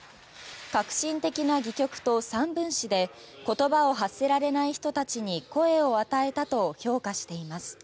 革新的な戯曲と散文詩で言葉を発せられない人たちに声を与えたと評価しています。